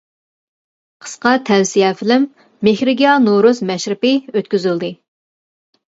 قىسقا تەۋسىيە فىلىم مېھرىگىياھ نورۇز مەشرىپى ئۆتكۈزۈلدى!